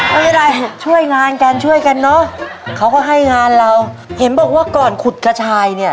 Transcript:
ไม่เป็นไรช่วยงานกันช่วยกันเนอะเขาก็ให้งานเราเห็นบอกว่าก่อนขุดกระชายเนี่ย